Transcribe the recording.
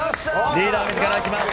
リーダー自らいきます。